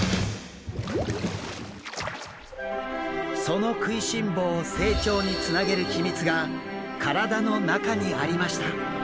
その食いしん坊を成長につなげる秘密が体の中にありました。